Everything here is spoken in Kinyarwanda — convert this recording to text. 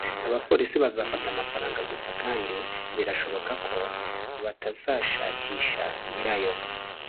abapolisi bazafata amafaranga gusa kandi birashoboka ko batazashakisha nyirayo